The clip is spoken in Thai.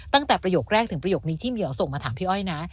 ตั้งแต่ประโยคแรกถึงประโยคนี้ที่มีเราส่งมาถามพี่อ้อยนะ